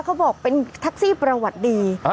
เขาบอกเป็นแท็กซี่ประวัติดี